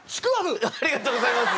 ありがとうございます！